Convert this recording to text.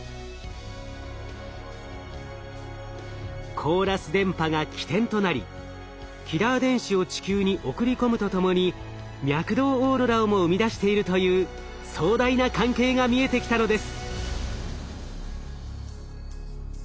コーラス電波が起点となりキラー電子を地球に送り込むとともに脈動オーロラをも生み出しているという壮大な関係が見えてきたのです。